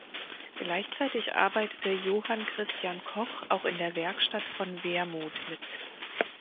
Gleichzeitig arbeitete Johann Christian Koch auch in der Werkstatt von Wermuth mit.